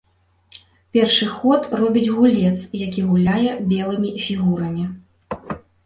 Першы ход робіць гулец, які гуляе белымі фігурамі.